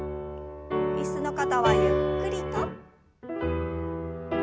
椅子の方はゆっくりと。